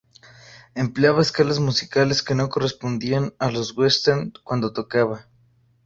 Empleaba escalas musicales que no correspondían a los "Western" cuando tocaba.